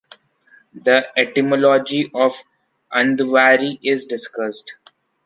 The etymology of Andvari is discussed.